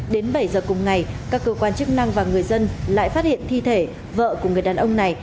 đến bảy giờ cùng ngày các cơ quan chức năng và người dân lại phát hiện thi thể vợ của người đàn ông này